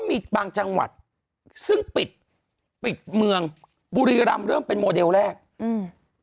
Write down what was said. มีบางจังหวัดซึ่งปิดปิดเมืองบุรีรำเริ่มเป็นโมเดลแรกอืม